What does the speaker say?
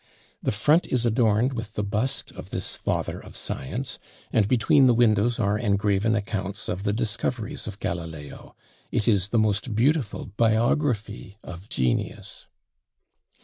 The front is adorned with the bust of this father of science, and between the windows are engraven accounts of the discoveries of Galileo; it is the most beautiful biography of genius!